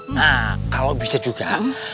nah kalau bisa juga